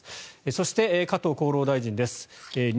そして、加藤厚労大臣です。